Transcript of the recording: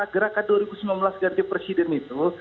gerakan dua ribu sembilan belas ganti presiden itu